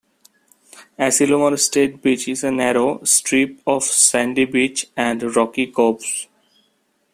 Asilomar State Beach is a narrow, strip of sandy beach and rocky coves.